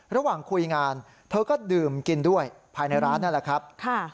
ระหว่างคุยงานเธอก็ดื่มกินด้วยภายในร้านนั่นแหละครับ